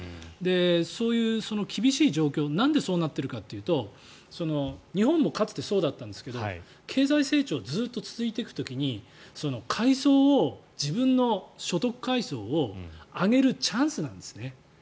そういう厳しい状況なんでそうなっているかというと日本もかつてそうだったんですが経済成長がずっと続いていく時に自分の所得階層を上げるチャンスなんですね。